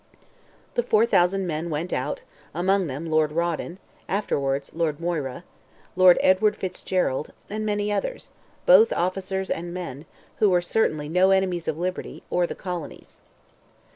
The 4,000 men went out, among them Lord Rawdon (afterwards Lord Moira), Lord Edward Fitzgerald, and many others, both officers and men, who were certainly no enemies of liberty, or the colonies.